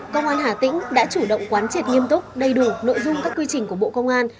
công an hà tĩnh đã chủ động quán triệt nghiêm túc đầy đủ nội dung các quy trình của bộ công an